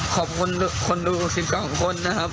ขอบคุณคนดู๑๒คนนะครับ